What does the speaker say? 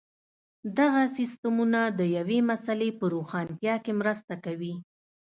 دغه سیسټمونه د یوې مسئلې په روښانتیا کې مرسته کوي.